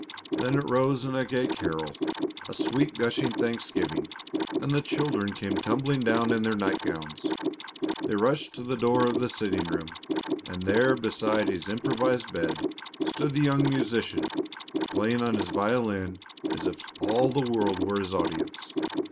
Then it rose in a gay carol, a sweet gushing thanksgiving, and the children came tumbling down in their night gowns; they rushed to the door of the sitting room, and there beside his improvised bed stood the young musician, playing on his violin as if all the world were his audience.